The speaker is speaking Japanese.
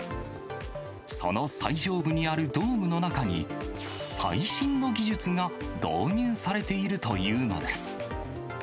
その最上部にあるドームの中に、最新の技術が導入されているというのです。